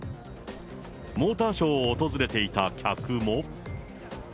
モーターショーを訪れていた客も。